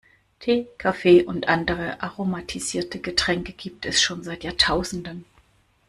Tee, Kaffee und andere aromatisierte Getränke gibt es schon seit Jahrtausenden.